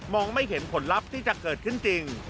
ไม่เห็นผลลัพธ์ที่จะเกิดขึ้นจริง